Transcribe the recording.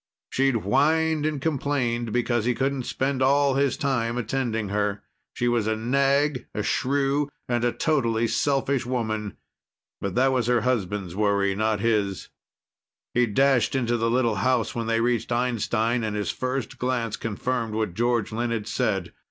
She'd whined and complained because he couldn't spend all his time attending her. She was a nag, a shrew, and a totally selfish woman. But that was her husband's worry, not his. He dashed into the little house when they reached Einstein, and his first glance confirmed what George Lynn had said.